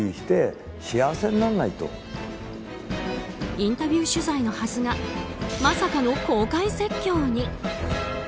インタビュー取材のはずがまさかの公開説教に。